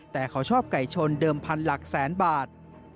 แต่เขาชอบไก่ชนเดิมพันหลักแสนบาท